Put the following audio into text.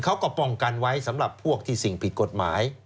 เขาก็ป้องกันไว้สำหรับพวกที่สิ่งผิดกฎหมาย